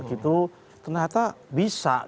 itu ternyata bisa